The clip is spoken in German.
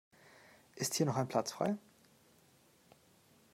Ist hier noch ein Platz frei?